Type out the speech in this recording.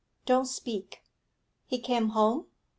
'Don't speak.' 'He came home?'